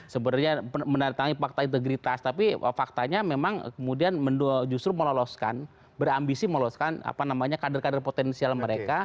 sebenarnya menandai tandai fakta integritas tapi faktanya memang kemudian justru meloloskan berambisi meloloskan apa namanya kader kader potensial mereka